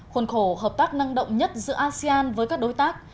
khuôn khổ hợp tác năng động nhất giữa asean với các đối tác